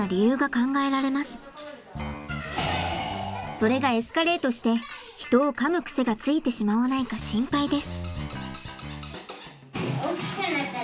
それがエスカレートして人をかむ癖がついてしまわないか心配です。